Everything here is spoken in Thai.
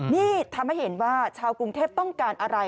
นี่ทำให้เห็นว่าชาวกรุงเทพต้องการอะไร